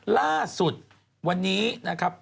ล่าสุดวันนี้นะครับ